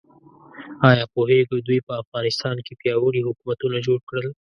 ایا پوهیږئ دوی په افغانستان کې پیاوړي حکومتونه جوړ کړل؟